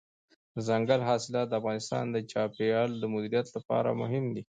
دځنګل حاصلات د افغانستان د چاپیریال د مدیریت لپاره مهم دي.